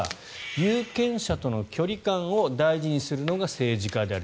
有権者との距離感を大事にするのが政治家である。